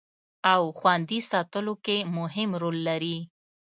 او خوندي ساتلو کې مهم رول لري